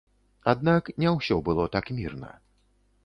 Аднак не ўсё было так мірна.